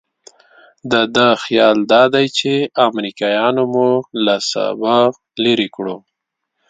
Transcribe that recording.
د ده خیال دادی چې امریکایانو مو له سابو لرې کړو.